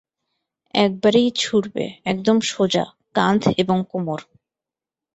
একবারেই ছুঁড়বে, একদম সোজা, কাধ এবং কোমর।